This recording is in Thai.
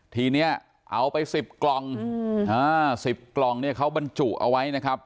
ทีเนี้ยเอาไปสิบกล่องอืมอ่าสิบกล่องเนี้ยเขาบรรจุเอาไว้นะครับ